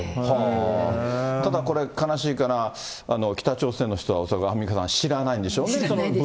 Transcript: ただこれ、悲しいかな、北朝鮮の人は恐らく、アンミカさん、知らないんでしょうね。